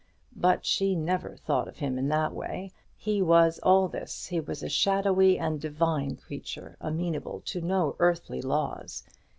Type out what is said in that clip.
But she never thought of him in this way. He was all this; he was a shadowy and divine creature, amenable to no earthly laws.